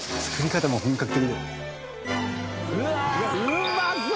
うまそう！